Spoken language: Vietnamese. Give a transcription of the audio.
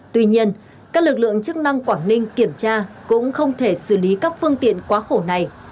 tuy nhiên các lực lượng chức năng quảng ninh kiểm tra cũng không thể xử lý các phương tiện quá khổ này